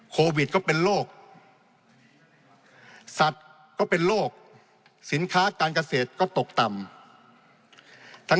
โควิดก็เป็นโรคสัตว์ก็เป็นโรคสินค้าการเกษตรก็ตกต่ำท่าน